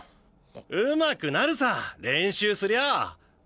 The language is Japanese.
上手くなるさ練習すりゃ。